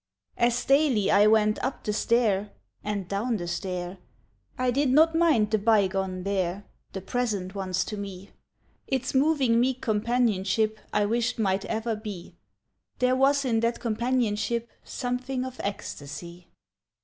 As daily I went up the stair And down the stair, I did not mind the Bygone there— The Present once to me; Its moving meek companionship I wished might ever be, There was in that companionship Something of ecstasy.